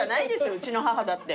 うちの母だって。